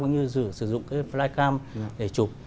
như sử dụng cái flycam để chụp